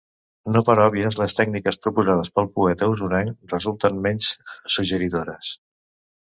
No per òbvies les tècniques proposades pel poeta osonenc resulten menys suggeridores.